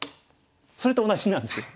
それと同じなんですよ。